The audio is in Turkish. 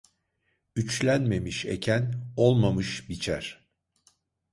Üçlenmemiş eken, olmamış biçer.